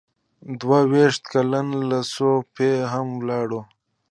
دوه ویشت کلن لو ځو پي هم ولاړ و.